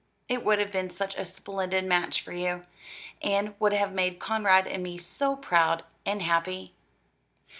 It would have been such a splendid match for you, and would have made Conrad and me so proud and happy."